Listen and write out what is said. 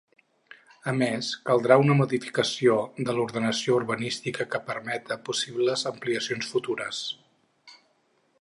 A més, caldrà una modificació de l’ordenació urbanística que permeta possibles ampliacions futures.